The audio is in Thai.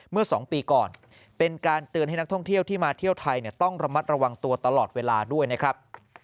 เมื่อ๒ปีก่อนเป็นการเตือนให้นักท่องเที่ยวที่มาเที่ยวไทยต้องระมัดระวังตัวตลอดเวลาด้วยนะครับ